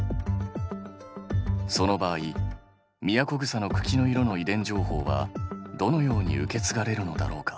その場合ミヤコグサの茎の色の遺伝情報はどのように受けつがれるのだろうか？